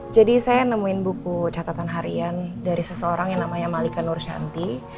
jadi saya nemuin buku catatan harian dari seseorang yang namanya malika nur syanti